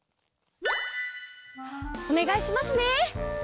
おねがいしますね。